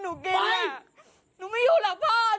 หนูก็ไม่อยากพูดหรอกพี่หนูก็ไม่อยากพูดหรอก